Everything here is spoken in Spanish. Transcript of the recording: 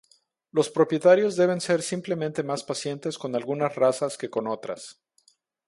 Los propietarios deben ser simplemente más pacientes con algunas razas que con otras.